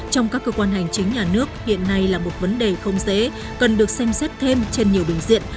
trong các cơ quan hành chính nhà nước hiện nay là một vấn đề không dễ cần được xem xét thêm trên nhiều bình diện